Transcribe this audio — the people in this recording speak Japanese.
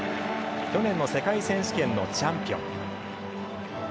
去年の世界選手権のチャンピオン。